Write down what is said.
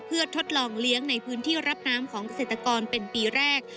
เพื่อทดลองเลี้ยงในพื้นที่รับน้ำของเศรษฐกรเป็นปีแรก